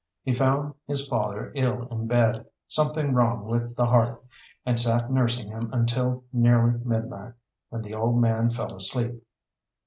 He found his father ill in bed; something wrong with the heart, and sat nursing him until nearly midnight, when the old man fell asleep.